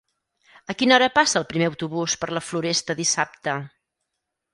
A quina hora passa el primer autobús per la Floresta dissabte?